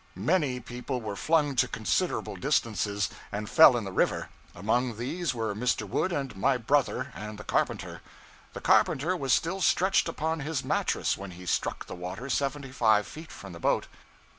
Many people were flung to considerable distances, and fell in the river; among these were Mr. Wood and my brother, and the carpenter. The carpenter was still stretched upon his mattress when he struck the water seventy five feet from the boat.